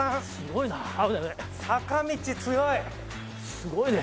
すごいね。